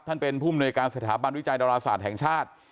ท่านเป็นผู้มนวยการสถาบันวิจัยดาราศาสตร์แห่งชาติ